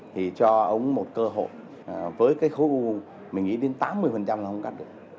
thì cho ông một cơ hội với cái khối u mình nghĩ đến tám mươi là không cắt được